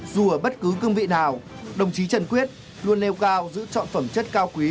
dù ở bất cứ cương vị nào đồng chí trần quyết luôn nêu cao giữ chọn phẩm chất cao quý